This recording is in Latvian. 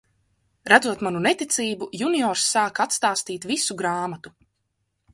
Redzot manu neticību, juniors sāka atstāstīt visu grāmatu.